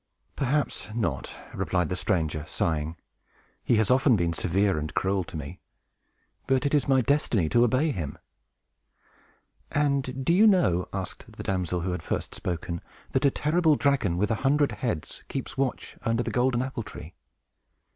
"Perhaps not," replied the stranger, sighing. "He has often been severe and cruel to me. But it is my destiny to obey him." "And do you know," asked the damsel who had first spoken, "that a terrible dragon, with a hundred heads, keeps watch under the golden apple tree?"